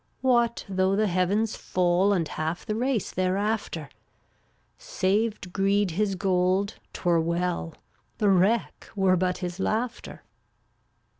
What though the heavens fall And half the race thereafter? Saved Greed his gold, 'twere well; The wreck were but his laughter.